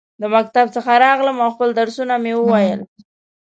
د مکتب څخه راغلم ، او خپل درسونه مې وویل.